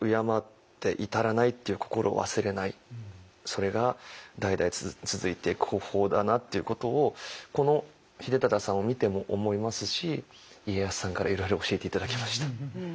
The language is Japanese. それが代々続いていく方法だなっていうことをこの秀忠さんを見ても思いますし家康さんからいろいろ教えて頂きました。